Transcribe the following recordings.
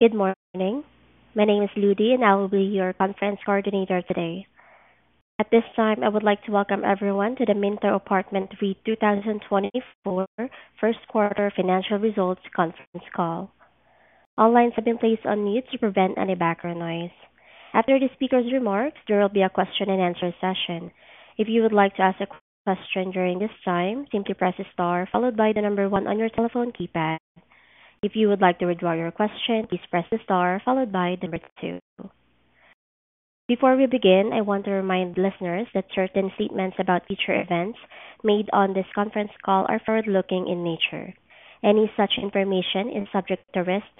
Good morning. My name is Ludi and I will be your conference coordinator today. At this time I would like to welcome everyone to the Minto Apartment REIT 2024 First Quarter Financial Results Conference Call. All lines have been placed on mute to prevent any background noise. After the speaker's remarks, there will be a question-and-answer session. If you would like to ask a question during this time, simply press the star followed by the number 1 on your telephone keypad. If you would like to withdraw your question, please press the star followed by the number 2. Before we begin, I want to remind listeners that certain statements about future events made on this conference call are forward-looking in nature. Any such information is subject to risk,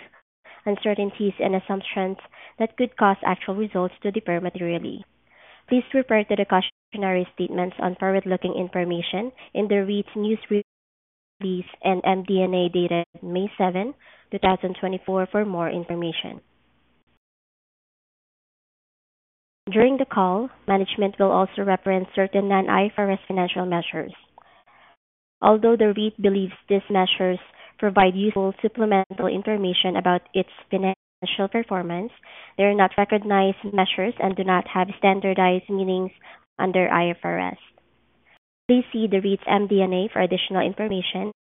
uncertainties, and assumptions that could cause actual results to differ materially. Please refer to the cautionary statements on forward-looking information in the REIT's News Release and MD&A dated May 7, 2024 for more information. During the call, management will also reference certain non-IFRS financial measures. Although the REIT believes these measures provide useful supplemental information about its financial performance, they are not recognized measures and do not have standardized meanings under IFRS. Please see the REIT's MD&A for additional information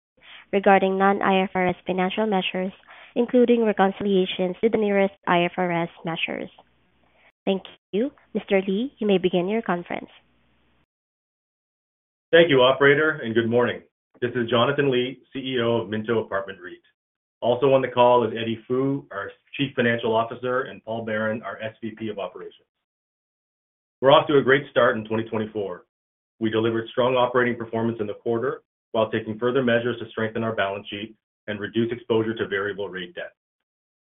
regarding non-IFRS financial measures, including reconciliations to the nearest IFRS measures. Thank you. Mr. Li, you may begin your conference. Thank you, operator, and good morning. This is Jonathan Li, CEO of Minto Apartment REIT. Also on the call is Eddie Fu, our Chief Financial Officer, and Paul Baron, our SVP of Operations. We're off to a great start in 2024. We delivered strong operating performance in the quarter while taking further measures to strengthen our balance sheet and reduce exposure to variable rate debt.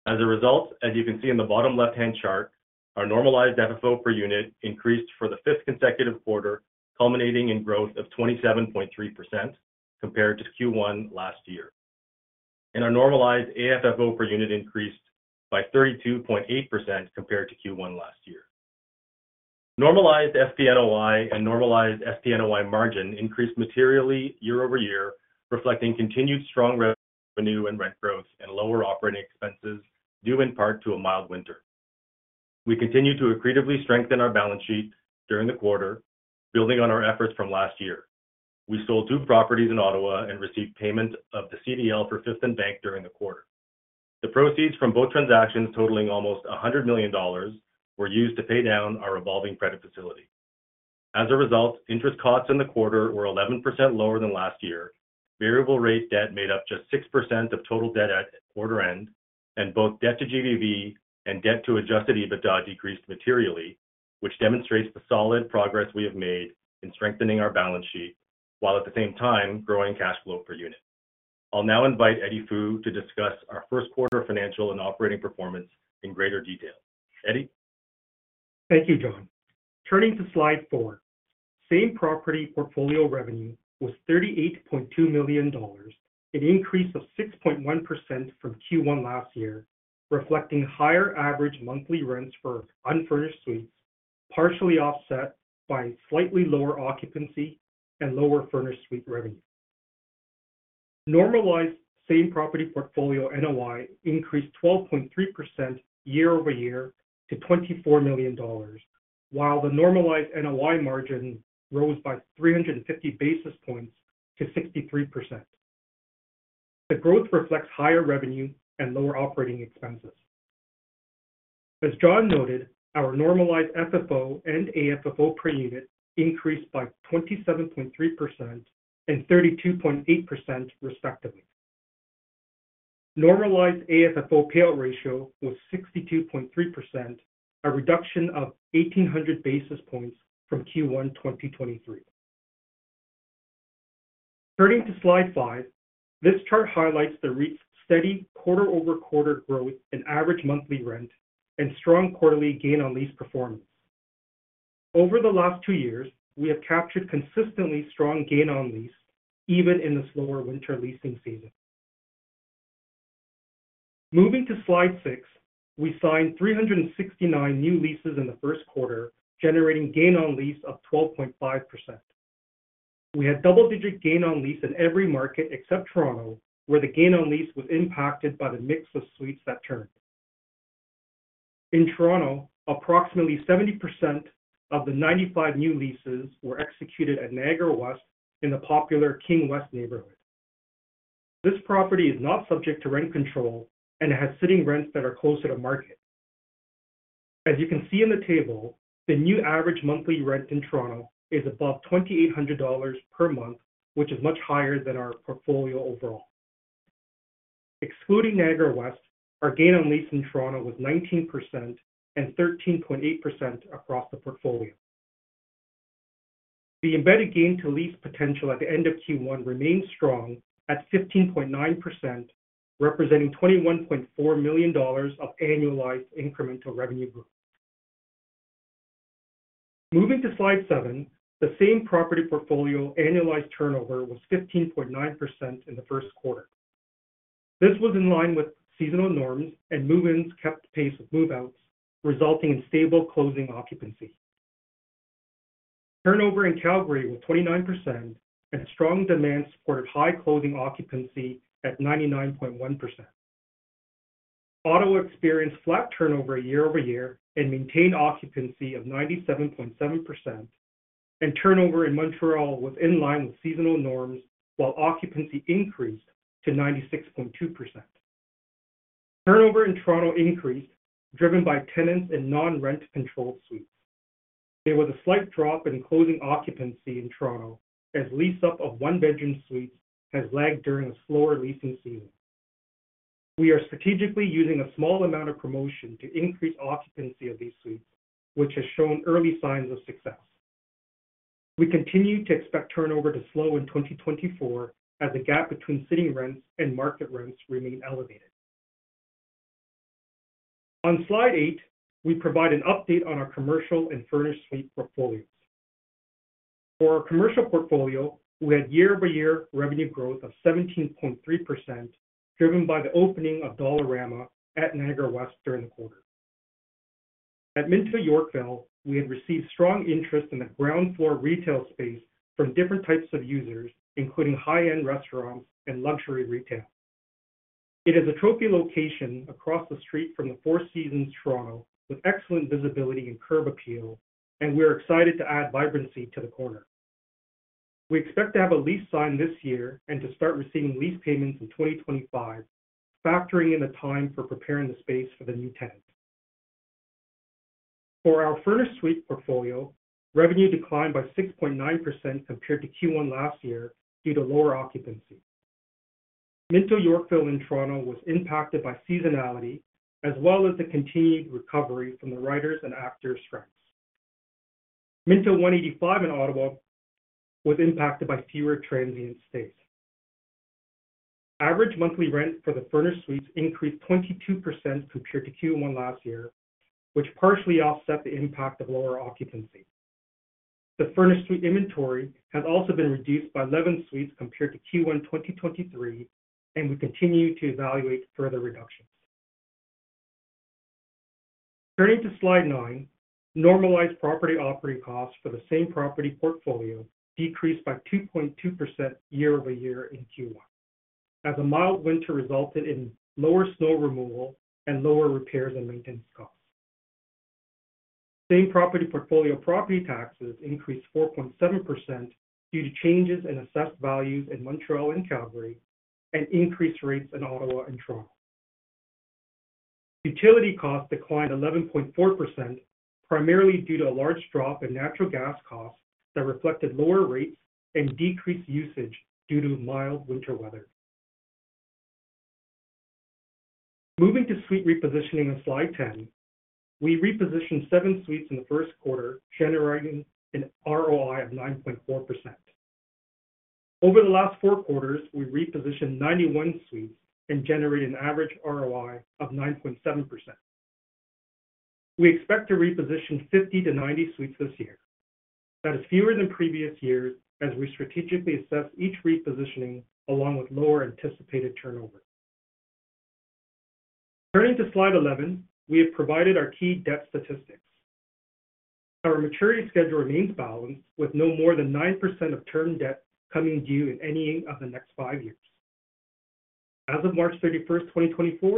As a result, as you can see in the bottom left-hand chart, our normalized FFO per unit increased for the fifth consecutive quarter, culminating in growth of 27.3% compared to Q1 last year. Our normalized AFFO per unit increased by 32.8% compared to Q1 last year. Normalized SP NOI and normalized SPNOI margin increased materially year-over-year, reflecting continued strong revenue and rent growth and lower operating expenses due in part to a mild winter. We continue to accretively strengthen our balance sheet during the quarter, building on our efforts from last year. We sold two properties in Ottawa and received payment of the CDL for Fifth + Bank during the quarter. The proceeds from both transactions totaling almost 100 million dollars were used to pay down our revolving credit facility. As a result, interest costs in the quarter were 11% lower than last year, variable rate debt made up just 6% of total debt at quarter end, and both debt to GBV and debt to Adjusted EBITDA decreased materially, which demonstrates the solid progress we have made in strengthening our balance sheet while at the same time growing cash flow per unit. I'll now invite Eddie Fu to discuss our first quarter financial and operating performance in greater detail. Eddie? Thank you, John. Turning to slide 4. Same property portfolio revenue was 38.2 million dollars, an increase of 6.1% from Q1 last year, reflecting higher average monthly rents for unfurnished suites, partially offset by slightly lower occupancy and lower furnished suite revenue. Normalized same property portfolio NOI increased 12.3% year over year to 24 million dollars, while the normalized NOI margin rose by 350 basis points to 63%. The growth reflects higher revenue and lower operating expenses. As John noted, our normalized FFO and AFFO per unit increased by 27.3% and 32.8% respectively. Normalized AFFO payout ratio was 62.3%, a reduction of 1,800 basis points from Q1 2023. Turning to slide 5. This chart highlights the REIT's steady quarter-over-quarter growth in average monthly rent and strong quarterly gain-on-lease performance. Over the last two years, we have captured consistently strong gain-on-lease, even in the slower winter leasing season. Moving to slide 6. We signed 369 new leases in the first quarter, generating gain-on-lease of 12.5%. We had double-digit gain-on-lease in every market except Toronto, where the gain-on-lease was impacted by the mix of suites that turned. In Toronto, approximately 70% of the 95 new leases were executed at Niagara West in the popular King West neighborhood. This property is not subject to rent control and has sitting rents that are closer to market. As you can see in the table, the new average monthly rent in Toronto is above 2,800 dollars per month, which is much higher than our portfolio overall. Excluding Niagara West, our gain-on-lease in Toronto was 19% and 13.8% across the portfolio. The embedded gain-to-lease potential at the end of Q1 remains strong at 15.9%, representing 21.4 million dollars of annualized incremental revenue growth. Moving to slide 7. The same property portfolio annualized turnover was 15.9% in the first quarter. This was in line with seasonal norms, and move-ins kept pace with move-outs, resulting in stable closing occupancy. Turnover in Calgary was 29%, and strong demand supported high closing occupancy at 99.1%. Ottawa experienced flat turnover year-over-year and maintained occupancy of 97.7%, and turnover in Montreal was in line with seasonal norms while occupancy increased to 96.2%. Turnover in Toronto increased, driven by tenants in non-rent-controlled suites. There was a slight drop in closing occupancy in Toronto as lease-up of one-bedroom suites has lagged during a slower leasing season. We are strategically using a small amount of promotion to increase occupancy of these suites, which has shown early signs of success. We continue to expect turnover to slow in 2024 as the gap between sitting rents and market rents remains elevated. On slide 8, we provide an update on our commercial and furnished suite portfolios. For our commercial portfolio, we had year-over-year revenue growth of 17.3%, driven by the opening of Dollarama at Niagara West during the quarter. At Minto Yorkville, we had received strong interest in the ground-floor retail space from different types of users, including high-end restaurants and luxury retail. It is a trophy location across the street from the Four Seasons Toronto with excellent visibility and curb appeal, and we are excited to add vibrancy to the corner. We expect to have a lease sign this year and to start receiving lease payments in 2025, factoring in the time for preparing the space for the new tenant. For our furnished suite portfolio, revenue declined by 6.9% compared to Q1 last year due to lower occupancy. Minto Yorkville in Toronto was impacted by seasonality as well as the continued recovery from the writers' and actors' strikes. Minto one80five in Ottawa was impacted by fewer transient stays. Average monthly rent for the furnished suites increased 22% compared to Q1 last year, which partially offset the impact of lower occupancy. The furnished suite inventory has also been reduced by 11 suites compared to Q1 2023, and we continue to evaluate further reductions. Turning to slide 9. Normalized property operating costs for the same property portfolio decreased by 2.2% year-over-year in Q1, as a mild winter resulted in lower snow removal and lower repairs and maintenance costs. Same property portfolio property taxes increased 4.7% due to changes in assessed values in Montreal and Calgary, and increased rates in Ottawa and Toronto. Utility costs declined 11.4%, primarily due to a large drop in natural gas costs that reflected lower rates and decreased usage due to mild winter weather. Moving to suite repositioning on slide 10. We repositioned 7 suites in the first quarter, generating an ROI of 9.4%. Over the last four quarters, we repositioned 91 suites and generated an average ROI of 9.7%. We expect to reposition 50-90 suites this year. That is fewer than previous years as we strategically assess each repositioning along with lower anticipated turnover. Turning to slide 11. We have provided our key debt statistics. Our maturity schedule remains balanced, with no more than 9% of term debt coming due in any of the next five years. As of March 31, 2024,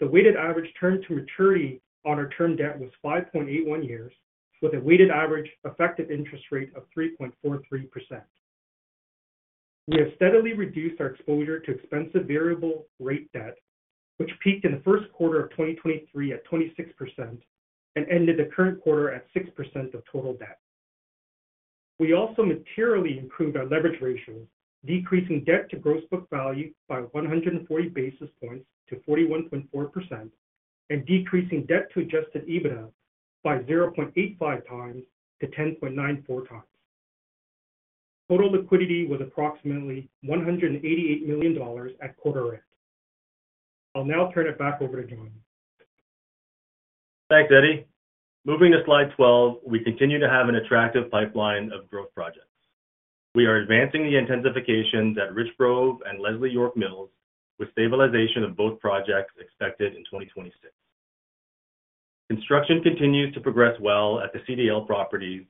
the weighted average term to maturity on our term debt was 5.81 years, with a weighted average effective interest rate of 3.43%. We have steadily reduced our exposure to expensive variable rate debt, which peaked in the first quarter of 2023 at 26% and ended the current quarter at 6% of total debt. We also materially improved our leverage ratios, decreasing Debt to Gross Book Value by 140 basis points to 41.4% and decreasing Debt to Adjusted EBITDA by 0.85 times to 10.94 times. Total liquidity was approximately 188 million dollars at quarter end. I'll now turn it back over to John. Thanks, Eddie. Moving to slide 12. We continue to have an attractive pipeline of growth projects. We are advancing the intensifications at Richgrove and Leslie York Mills, with stabilization of both projects expected in 2026. Construction continues to progress well at the CDL properties,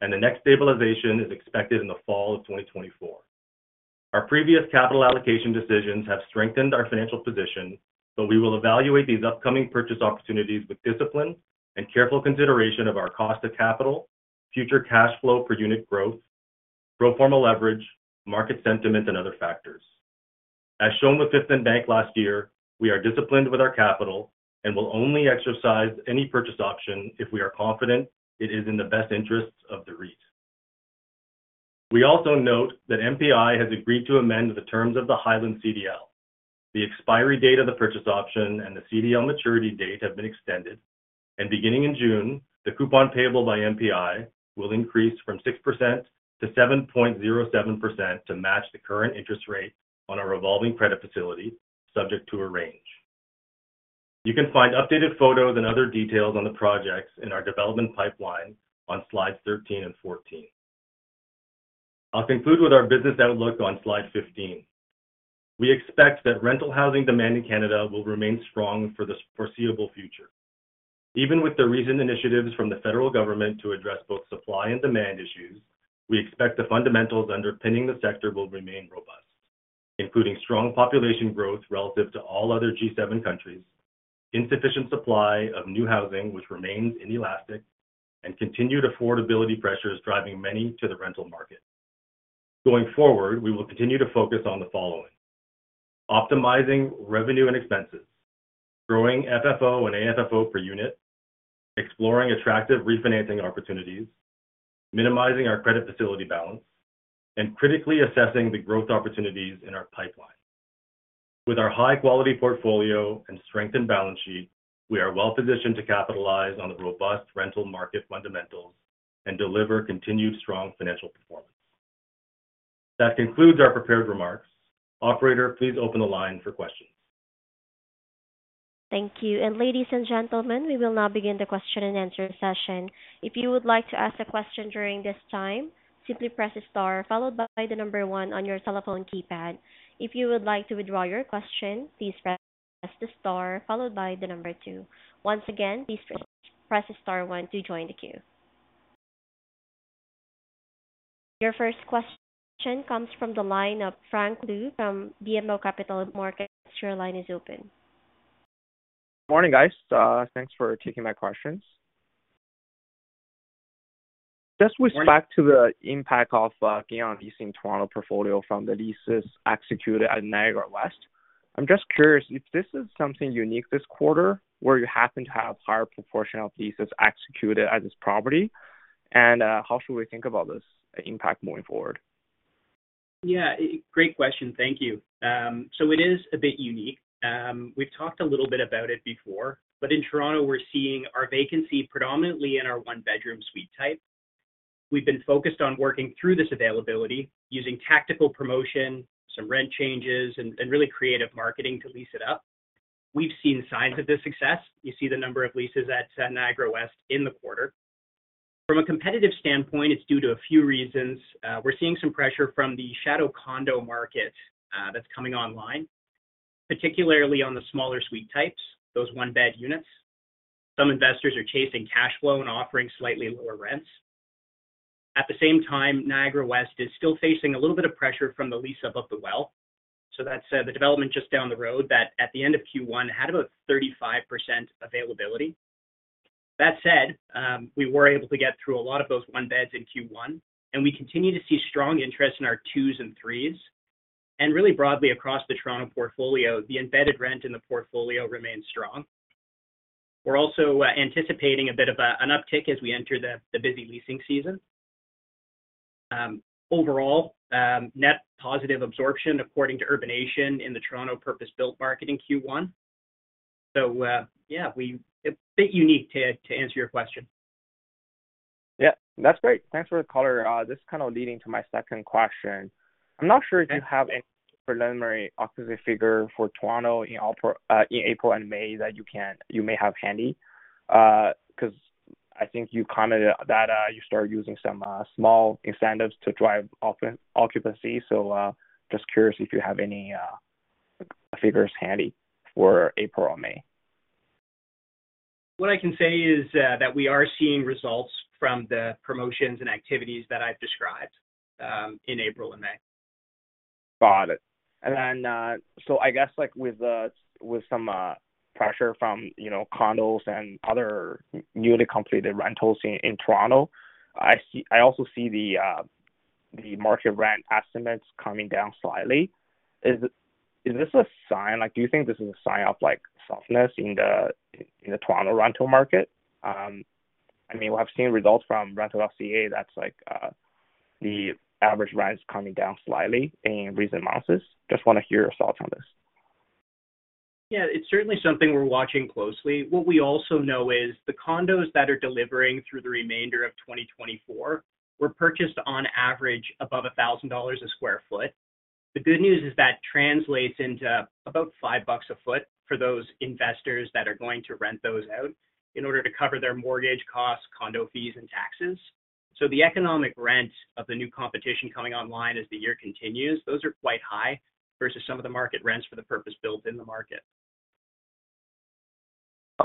and the next stabilization is expected in the fall of 2024. Our previous capital allocation decisions have strengthened our financial position, but we will evaluate these upcoming purchase opportunities with discipline and careful consideration of our cost of capital, future cash flow per unit growth, pro forma leverage, market sentiment, and other factors. As shown with Fifth & Bank last year, we are disciplined with our capital and will only exercise any purchase option if we are confident it is in the best interests of the REIT. We also note that MPI has agreed to amend the terms of the Highland CDL. The expiry date of the purchase option and the CDL maturity date have been extended, and beginning in June, the coupon payable by MPI will increase from 6%-7.07% to match the current interest rate on our revolving credit facility, subject to a range. You can find updated photos and other details on the projects in our development pipeline on slides 13 and 14. I'll conclude with our business outlook on slide 15. We expect that rental housing demand in Canada will remain strong for the foreseeable future. Even with the recent initiatives from the federal government to address both supply and demand issues, we expect the fundamentals underpinning the sector will remain robust, including strong population growth relative to all other G7 countries, insufficient supply of new housing which remains inelastic, and continued affordability pressures driving many to the rental market. Going forward, we will continue to focus on the following: optimizing revenue and expenses, growing FFO and AFFO per unit, exploring attractive refinancing opportunities, minimizing our credit facility balance, and critically assessing the growth opportunities in our pipeline. With our high-quality portfolio and strengthened balance sheet, we are well-positioned to capitalize on the robust rental market fundamentals and deliver continued strong financial performance. That concludes our prepared remarks. Operator, please open the line for questions. Thank you. Ladies and gentlemen, we will now begin the question-and-answer session. If you would like to ask a question during this time, simply press a star followed by 1 on your telephone keypad. If you would like to withdraw your question, please press the star followed by 2. Once again, please press star 1 to join the queue. Your first question comes from the line of Frank Liu from BMO Capital Markets. Your line is open. Good morning, guys. Thanks for taking my questions. Just with respect to the impact of gain-on-lease in Toronto portfolio from the leases executed at Niagara West, I'm just curious if this is something unique this quarter where you happen to have a higher proportion of leases executed at this property, and how should we think about this impact moving forward? Yeah, great question. Thank you. So it is a bit unique. We've talked a little bit about it before, but in Toronto, we're seeing our vacancy predominantly in our one-bedroom suite type. We've been focused on working through this availability using tactical promotion, some rent changes, and really creative marketing to lease it up. We've seen signs of this success. You see the number of leases at Niagara West in the quarter. From a competitive standpoint, it's due to a few reasons. We're seeing some pressure from the shadow condo market that's coming online, particularly on the smaller suite types, those one-bed units. Some investors are chasing cash flow and offering slightly lower rents. At the same time, Niagara West is still facing a little bit of pressure from the lease-up of The Well. So that's the development just down the road that at the end of Q1 had about 35% availability. That said, we were able to get through a lot of those one-beds in Q1, and we continue to see strong interest in our twos and threes. And really broadly across the Toronto portfolio, the embedded rent in the portfolio remains strong. We're also anticipating a bit of an uptick as we enter the busy leasing season. Overall, net positive absorption according to Urbanation in the Toronto purpose-built market in Q1. So yeah, a bit unique to answer your question. Yeah, that's great. Thanks for the caller. This is kind of leading to my second question. I'm not sure if you have any preliminary occupancy figure for Toronto in April and May that you may have handy because I think you commented that you started using some small incentives to drive occupancy. So just curious if you have any figures handy for April or May? What I can say is that we are seeing results from the promotions and activities that I've described in April and May. Got it. And then so I guess with some pressure from condos and other newly completed rentals in Toronto, I also see the market rent estimates coming down slightly. Is this a sign? Do you think this is a sign of softness in the Toronto rental market? I mean, we have seen results from Rentals.ca, that's the average rent is coming down slightly in recent months. Just want to hear your thoughts on this. Yeah, it's certainly something we're watching closely. What we also know is the condos that are delivering through the remainder of 2024 were purchased on average above 1,000 dollars sq ft. The good news is that translates into about 5 bucks sq ft for those investors that are going to rent those out in order to cover their mortgage costs, condo fees, and taxes. So the economic rent of the new competition coming online as the year continues, those are quite high versus some of the market rents for the purpose built in the market.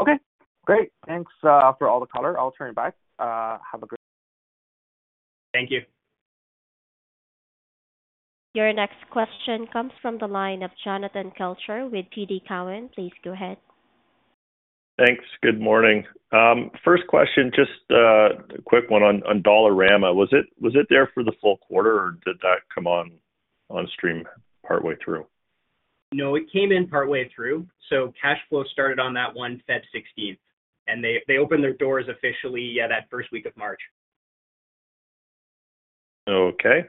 Okay, great. Thanks to all the callers. I'll turn it back. Have a great day. Thank you. Your next question comes from the line of Jonathan Kelcher with TD Cowen. Please go ahead. Thanks. Good morning. First question, just a quick one on Dollarama. Was it there for the full quarter, or did that come on stream partway through? No, it came in partway through. So cash flow started on that one February 16th, and they opened their doors officially, yeah, that first week of March. Okay.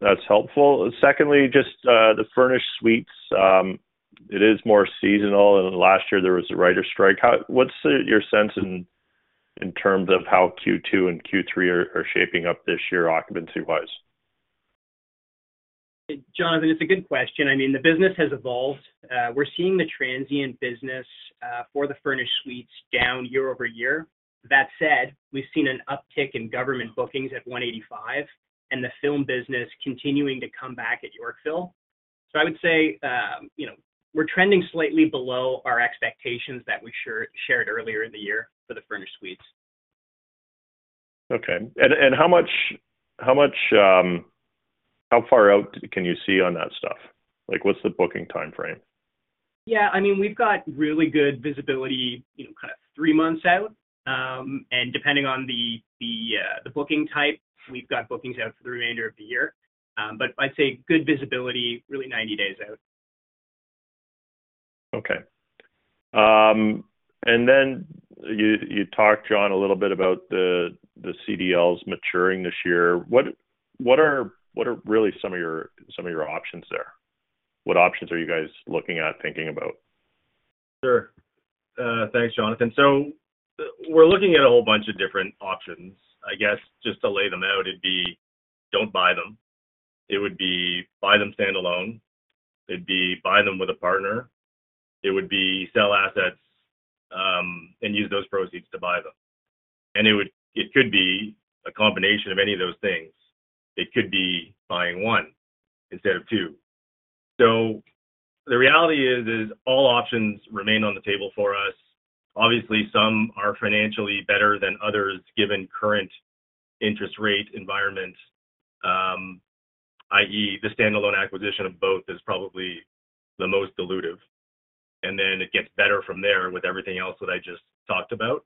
That's helpful. Secondly, just the furnished suites, it is more seasonal, and last year there was a writer's strike. What's your sense in terms of how Q2 and Q3 are shaping up this year occupancy-wise? Jonathan, it's a good question. I mean, the business has evolved. We're seeing the transient business for the furnished suites down year over year. That said, we've seen an uptick in government bookings at 185 and the film business continuing to come back at Yorkville. So I would say we're trending slightly below our expectations that we shared earlier in the year for the furnished suites. Okay. How far out can you see on that stuff? What's the booking timeframe? Yeah, I mean, we've got really good visibility kind of three months out. And depending on the booking type, we've got bookings out for the remainder of the year. But I'd say good visibility, really 90 days out. Okay. Then you talked, John, a little bit about the CDLs maturing this year. What are really some of your options there? What options are you guys looking at, thinking about? Sure. Thanks, Jonathan. So we're looking at a whole bunch of different options. I guess just to lay them out, it'd be don't buy them. It would be buy them standalone. It'd be buy them with a partner. It would be sell assets and use those proceeds to buy them. And it could be a combination of any of those things. It could be buying one instead of two. So the reality is all options remain on the table for us. Obviously, some are financially better than others given current interest rate environment, i.e., the standalone acquisition of both is probably the most dilutive. And then it gets better from there with everything else that I just talked about.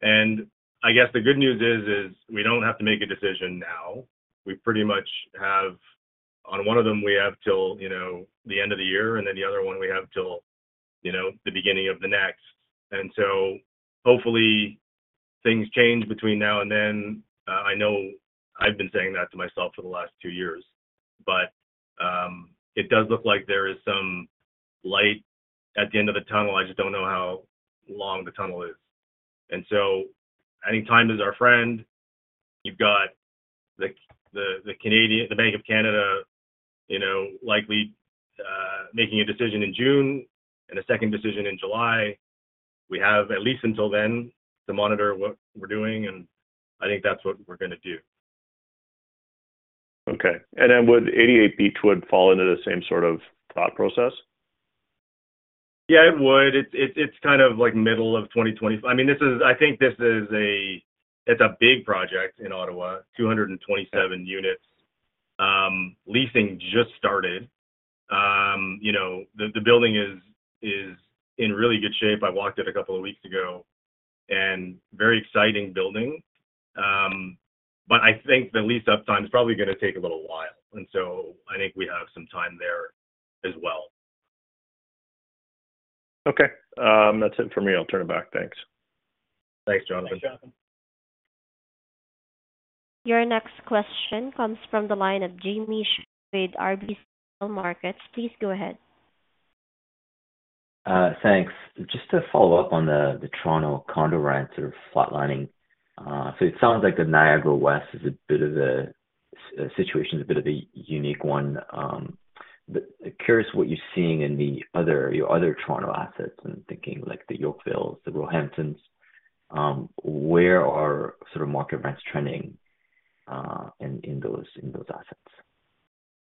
And I guess the good news is we don't have to make a decision now. On one of them, we have till the end of the year, and then the other one, we have till the beginning of the next. And so hopefully, things change between now and then. I know I've been saying that to myself for the last two years, but it does look like there is some light at the end of the tunnel. I just don't know how long the tunnel is. And so I think time is our friend. You've got the Bank of Canada likely making a decision in June and a second decision in July. We have, at least until then, to monitor what we're doing, and I think that's what we're going to do. Okay. And then would 88 Beechwood fall into the same sort of thought process? Yeah, it would. It's kind of middle of 2025. I mean, I think this is a big project in Ottawa, 227 units. Leasing just started. The building is in really good shape. I walked it a couple of weeks ago, and very exciting building. But I think the lease-up time is probably going to take a little while. And so I think we have some time there as well. Okay. That's it for me. I'll turn it back. Thanks. Thanks, Jonathan. Thanks, Jonathan. Your next question comes from the line of Jimmy Shan with RBC Capital Markets. Please go ahead. Thanks. Just to follow up on the Toronto condo rent sort of flatlining. So it sounds like the Niagara West is a bit of a situation is a bit of a unique one. Curious what you're seeing in your other Toronto assets and thinking like the Yorkvilles, the Roehamptons. Where are sort of market rents trending in those assets?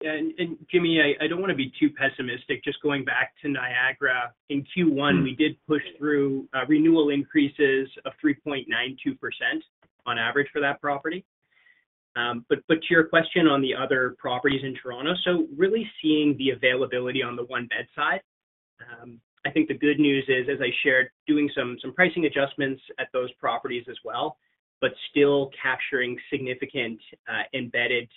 Yeah. And Jimmy, I don't want to be too pessimistic. Just going back to Niagara, in Q1, we did push through renewal increases of 3.92% on average for that property. But to your question on the other properties in Toronto, so really seeing the availability on the one-bed side, I think the good news is, as I shared, doing some pricing adjustments at those properties as well, but still capturing significant embedded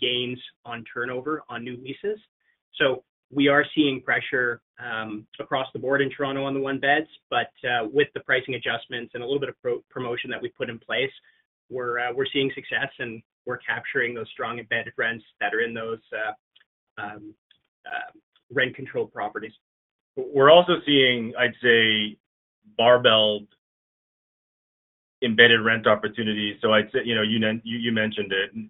gains on turnover on new leases. So we are seeing pressure across the board in Toronto on the one-beds, but with the pricing adjustments and a little bit of promotion that we've put in place, we're seeing success, and we're capturing those strong embedded rents that are in those rent-controlled properties. We're also seeing, I'd say, barbelled embedded rent opportunities. So you mentioned it.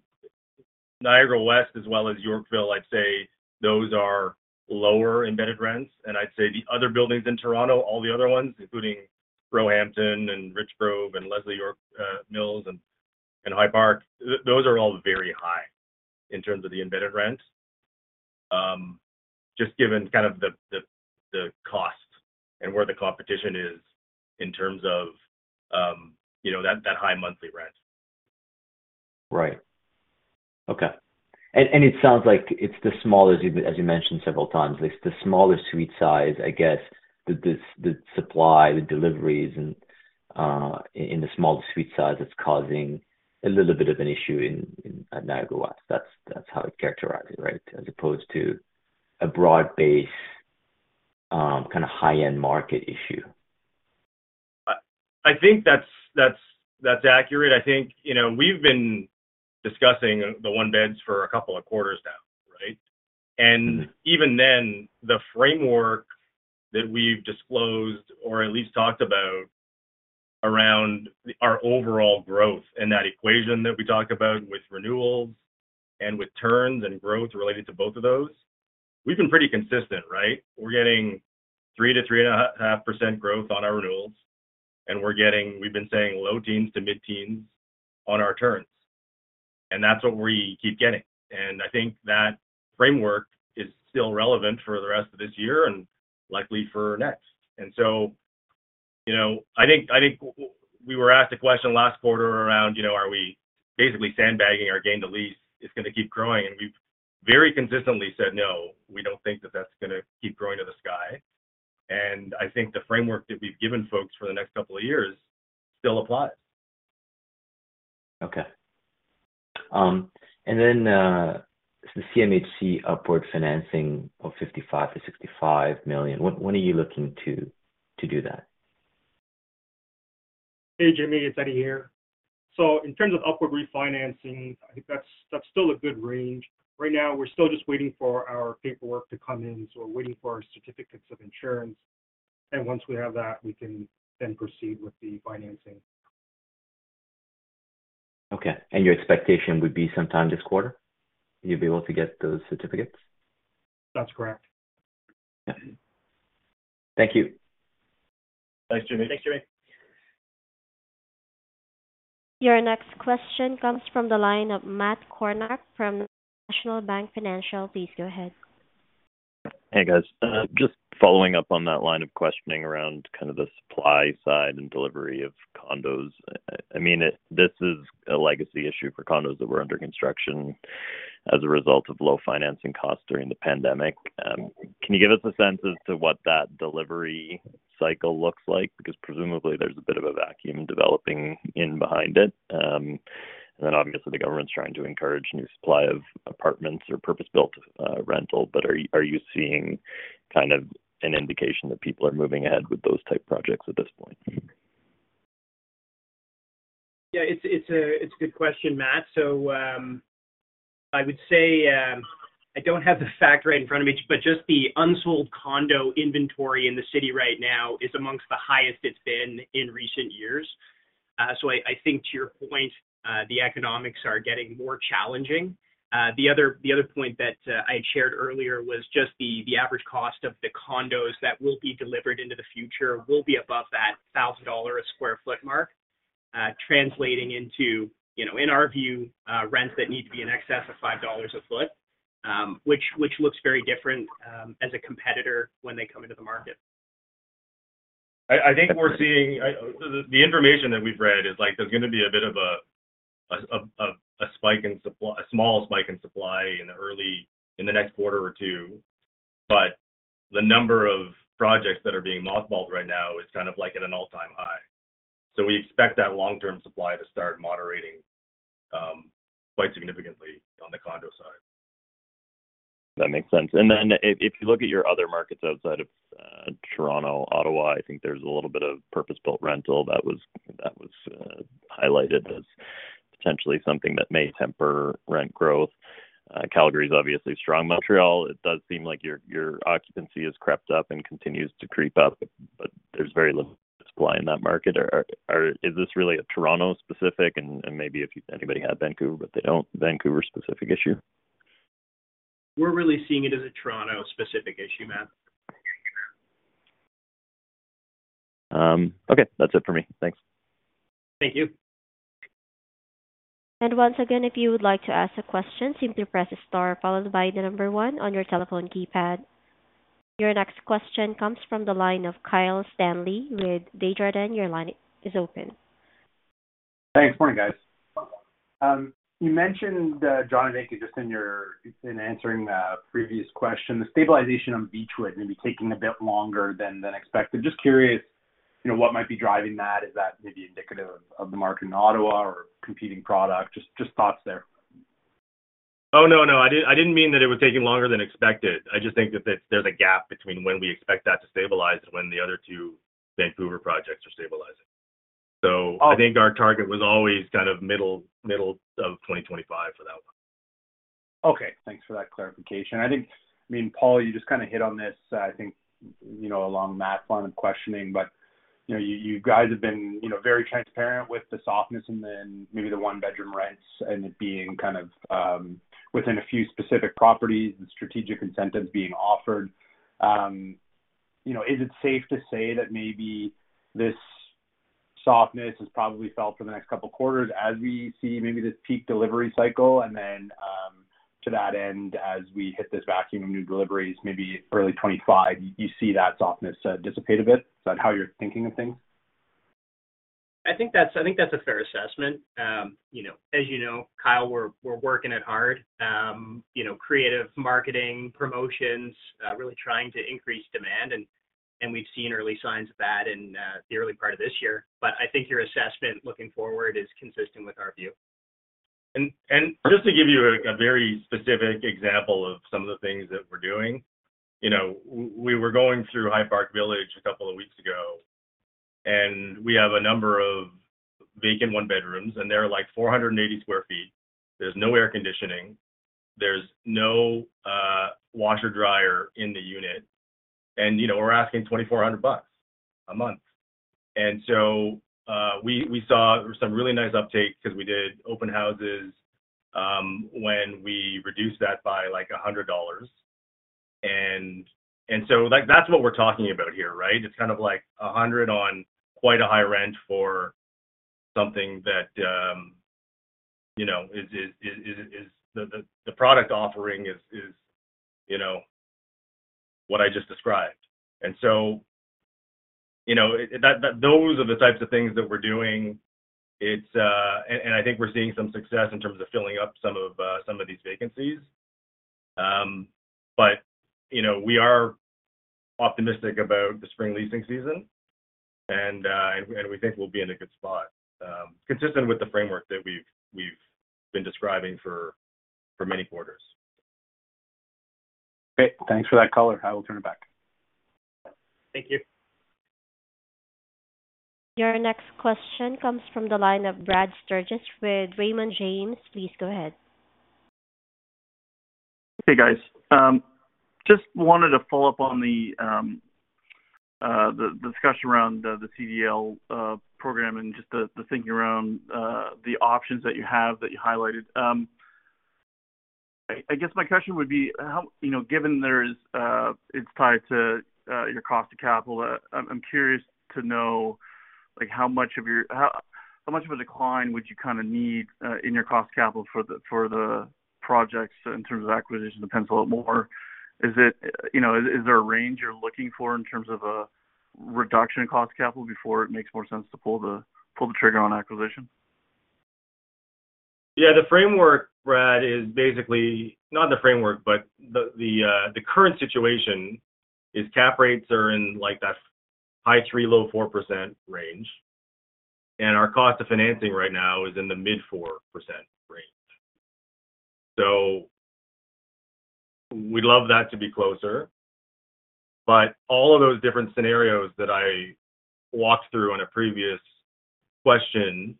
Niagara West as well as Yorkville, I'd say those are lower embedded rents. And I'd say the other buildings in Toronto, all the other ones, including Roehampton and Richgrove and Leslie York Mills and High Park, those are all very high in terms of the embedded rent, just given kind of the cost and where the competition is in terms of that high monthly rent. Right. Okay. And it sounds like it's the smaller, as you mentioned several times, at least the smaller suite size, I guess, the supply, the deliveries in the smaller suite size that's causing a little bit of an issue at Niagara West. That's how you characterize it, right, as opposed to a broad-based, kind of high-end market issue. I think that's accurate. I think we've been discussing the one-beds for a couple of quarters now, right? And even then, the framework that we've disclosed or at least talked about around our overall growth in that equation that we talked about with renewals and with turns and growth related to both of those, we've been pretty consistent, right? We're getting 3%-3.5% growth on our renewals, and we've been saying low teens to mid-teens on our turns. And that's what we keep getting. And I think that framework is still relevant for the rest of this year and likely for next. And so I think we were asked a question last quarter around, are we basically sandbagging our gain to lease? It's going to keep growing. We've very consistently said, "No, we don't think that that's going to keep growing to the sky." And I think the framework that we've given folks for the next couple of years still applies. Okay. And then it's the CMHC upward financing of 55 million-65 million. When are you looking to do that? Hey, Jimmy, it's Eddie here. So in terms of upward refinancing, I think that's still a good range. Right now, we're still just waiting for our paperwork to come in. So we're waiting for our certificates of insurance. And once we have that, we can then proceed with the financing. Okay. And your expectation would be sometime this quarter, you'd be able to get those certificates? That's correct. Yeah. Thank you. Thanks, Jimmy. Thanks, Jimmy. Your next question comes from the line of Matt Cornock from National Bank Financial. Please go ahead. Hey, guys. Just following up on that line of questioning around kind of the supply side and delivery of condos. I mean, this is a legacy issue for condos that were under construction as a result of low financing costs during the pandemic. Can you give us a sense as to what that delivery cycle looks like? Because presumably, there's a bit of a vacuum developing in behind it. And then obviously, the government's trying to encourage new supply of apartments or purpose-built rental. But are you seeing kind of an indication that people are moving ahead with those type projects at this point? Yeah, it's a good question, Matt. So I would say I don't have the fact right in front of me, but just the unsold condo inventory in the city right now is amongst the highest it's been in recent years. So I think to your point, the economics are getting more challenging. The other point that I had shared earlier was just the average cost of the condos that will be delivered into the future will be above that 1,000 dollar a sq ft mark, translating into, in our view, rents that need to be in excess of 5 dollars a sq ft, which looks very different as a competitor when they come into the market. I think we're seeing the information that we've read is there's going to be a bit of a spike in supply, a small spike in supply in the next quarter or two. But the number of projects that are being mothballed right now is kind of at an all-time high. So we expect that long-term supply to start moderating quite significantly on the condo side. That makes sense. Then if you look at your other markets outside of Toronto, Ottawa, I think there's a little bit of purpose-built rental that was highlighted as potentially something that may temper rent growth. Calgary's obviously strong. Montreal, it does seem like your occupancy has crept up and continues to creep up, but there's very limited supply in that market. Is this really a Toronto-specific, and maybe if anybody had Vancouver, but they don't, Vancouver-specific issue? We're really seeing it as a Toronto-specific issue, Matt. Okay. That's it for me. Thanks. Thank you. And once again, if you would like to ask a question, simply press star followed by the number one on your telephone keypad. Your next question comes from the line of Kyle Stanley with Desjardins. Your line is open. Thanks. Morning, guys. You mentioned John and Eddie just in answering the previous question. The stabilization on Beechwood may be taking a bit longer than expected. Just curious what might be driving that. Is that maybe indicative of the market in Ottawa or competing product? Just thoughts there. Oh, no, no. I didn't mean that it was taking longer than expected. I just think that there's a gap between when we expect that to stabilize and when the other two Vancouver projects are stabilizing. So I think our target was always kind of middle of 2025 for that one. Okay. Thanks for that clarification. I mean, Paul, you just kind of hit on this, I think, along Matt's line of questioning. But you guys have been very transparent with the softness in maybe the one-bedroom rents and it being kind of within a few specific properties and strategic incentives being offered. Is it safe to say that maybe this softness is probably felt for the next couple of quarters as we see maybe this peak delivery cycle? And then to that end, as we hit this vacuum of new deliveries, maybe early 2025, you see that softness dissipate a bit? Is that how you're thinking of things? I think that's a fair assessment. As you know, Kyle, we're working at hard, creative marketing, promotions, really trying to increase demand. We've seen early signs of that in the early part of this year. I think your assessment looking forward is consistent with our view. Just to give you a very specific example of some of the things that we're doing, we were going through High Park Village a couple of weeks ago. We have a number of vacant one-bedrooms, and they're like 480 sq ft. There's no air conditioning. There's no washer-dryer in the unit. We're asking 2,400 bucks a month. So we saw some really nice uptake because we did open houses when we reduced that by like 100 dollars. So that's what we're talking about here, right? It's kind of like 100 on quite a high rent for something that is the product offering is what I just described. So those are the types of things that we're doing. I think we're seeing some success in terms of filling up some of these vacancies. But we are optimistic about the spring leasing season, and we think we'll be in a good spot, consistent with the framework that we've been describing for many quarters. Great. Thanks for that, Color. I will turn it back. Thank you. Your next question comes from the line of Brad Sturges with Raymond James. Please go ahead. Hey, guys. Just wanted to follow up on the discussion around the CDL program and just the thinking around the options that you have that you highlighted. I guess my question would be, given it's tied to your cost of capital, I'm curious to know how much of a decline would you kind of need in your cost of capital for the projects in terms of acquisition. Depends a lot more. Is there a range you're looking for in terms of a reduction in cost of capital before it makes more sense to pull the trigger on acquisition? Yeah. The framework, Brad, is basically not the framework, but the current situation is cap rates are in that high 3%-low 4% range. And our cost of financing right now is in the mid-4% range. So we'd love that to be closer. But all of those different scenarios that I walked through in a previous question,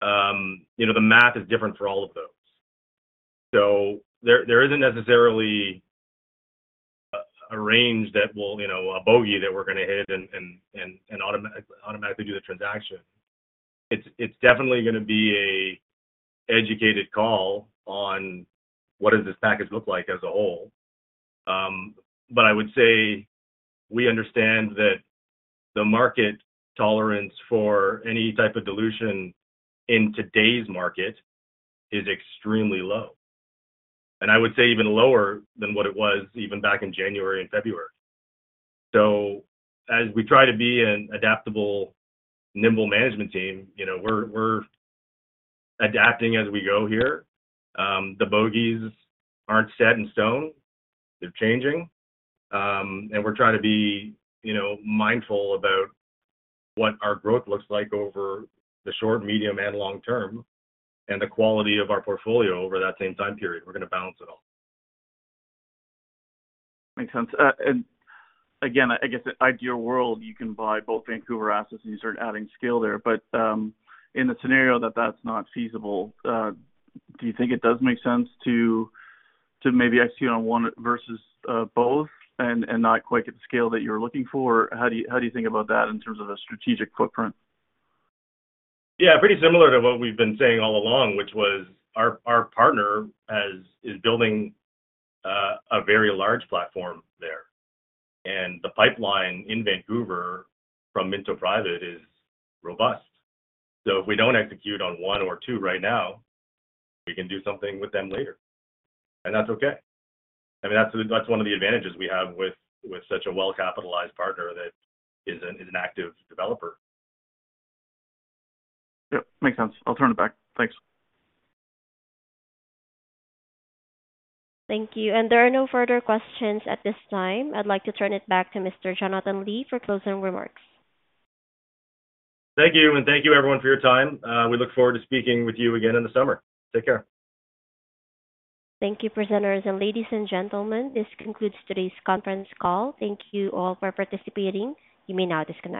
the math is different for all of those. So there isn't necessarily a range that will a bogey that we're going to hit and automatically do the transaction. It's definitely going to be an educated call on what does this package look like as a whole. But I would say we understand that the market tolerance for any type of dilution in today's market is extremely low. And I would say even lower than what it was even back in January and February. As we try to be an adaptable, nimble management team, we're adapting as we go here. The bogeys aren't set in stone. They're changing. We're trying to be mindful about what our growth looks like over the short, medium, and long term, and the quality of our portfolio over that same time period. We're going to balance it all. Makes sense. And again, I guess in an ideal world, you can buy both Vancouver assets and you start adding scale there. But in the scenario that that's not feasible, do you think it does make sense to maybe execute on one versus both and not quite get the scale that you're looking for? How do you think about that in terms of a strategic footprint? Yeah, pretty similar to what we've been saying all along, which was our partner is building a very large platform there. And the pipeline in Vancouver from Minto Private is robust. So if we don't execute on one or two right now, we can do something with them later. And that's okay. I mean, that's one of the advantages we have with such a well-capitalized partner that is an active developer. Yep. Makes sense. I'll turn it back. Thanks. Thank you. There are no further questions at this time. I'd like to turn it back to Mr. Jonathan Li for closing remarks. Thank you. Thank you, everyone, for your time. We look forward to speaking with you again in the summer. Take care. Thank you, presenters. Ladies and gentlemen, this concludes today's conference call. Thank you all for participating. You may now disconnect.